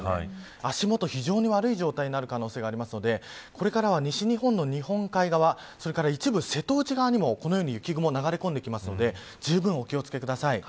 足元が非常に悪い状態になる可能性があるのでこれからは西日本の日本海側それから一部、瀬戸内側にも雪雲が流れ込んでくるのでじゅうぶんお気を付けください。